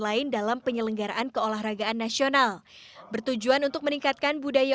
lain dalam penyelenggaraan keolahragaan nasional bertujuan untuk meningkatkan budaya